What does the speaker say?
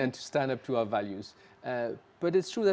dan kita berusaha untuk tetap dan berdiri pada nilai kita